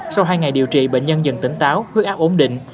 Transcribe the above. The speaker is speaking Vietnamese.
sau hai ngày điều trị bệnh nhân dần tỉnh táo huyết áp ổn định